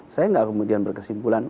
saya nggak kemudian berkesimpulan